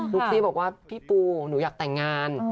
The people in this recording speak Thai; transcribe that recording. ุ๊กซี่บอกว่าพี่ปูหนูอยากแต่งงาน